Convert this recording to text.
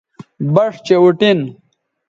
بَݜ چہء اُٹین